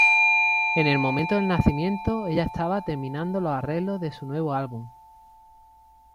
En el momento del nacimiento ella estaba terminando los arreglos de su nuevo álbum.